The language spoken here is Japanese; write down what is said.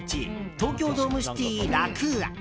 東京ドームシティラクーア。